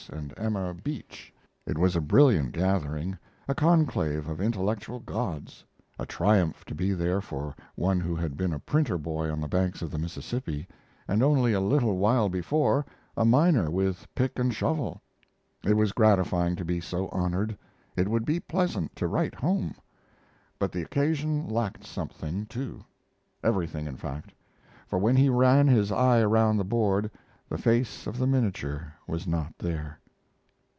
and Emma Beach. It was a brilliant gathering, a conclave of intellectual gods a triumph to be there for one who had been a printer boy on the banks of the Mississippi, and only a little while before a miner with pick and shovel. It was gratifying to be so honored; it would be pleasant to write home; but the occasion lacked something too everything, in fact for when he ran his eye around the board the face of the minature was not there.